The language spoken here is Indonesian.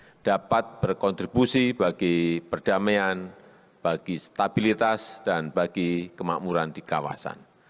ini dapat berkontribusi bagi perdamaian bagi stabilitas dan bagi kemakmuran di kawasan